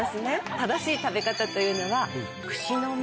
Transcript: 正しい食べ方というのは。